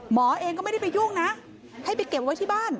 หมอเองก็ไม่ได้ไปยุ่งนะให้ไปเก็บไว้ที่บ้าน